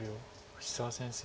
藤沢先生